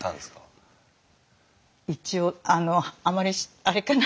一応あのあまりあれかな。